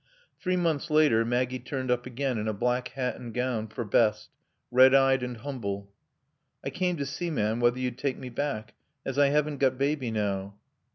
Three months later Maggie turned up again in a black hat and gown for best, red eyed and humble. "I came to see, ma'am, whether you'd take me back, as I 'aven't got Baby now."